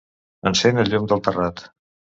Encén el llum del terrat.